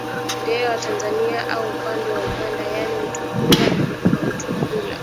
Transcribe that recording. nde wa tanzania au upande wa uganda yaani mtukula ka mtukula